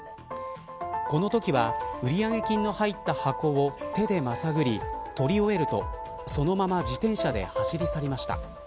このときは売り上げ金の入った箱を手でまさぐり取り終えると、そのまま自転車で走り去りました。